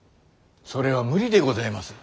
それは無理でございます。